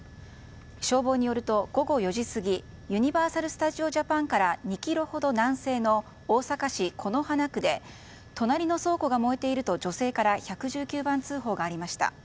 消防によると午後４時過ぎユニバーサル・スタジオ・ジャパンから２ｋｍほど南西の大阪市此花区で隣の倉庫が燃えていると女性から１１９番通報がありました。